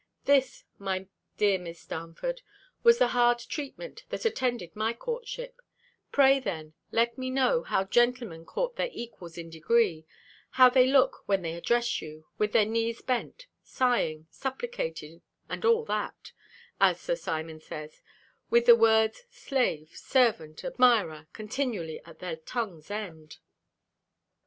This, my dear Miss Darnford, was the hard treatment that attended my courtship pray, then, let me know, how gentlemen court their equals in degree; how they look when they address you, with their knees bent, sighing, supplicating, and all that, as Sir Simon says, with the words Slave, Servant, Admirer, continually at their tongue's end.